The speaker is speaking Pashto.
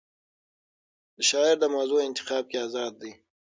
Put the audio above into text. شاعر د موضوع انتخاب کې آزاد دی.